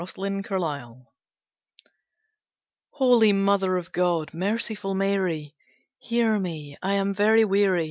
The Forsaken Holy Mother of God, Merciful Mary. Hear me! I am very weary.